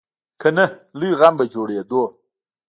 که نه، لوی غم به جوړېدو.